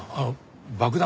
爆弾